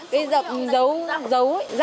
cái dập dấu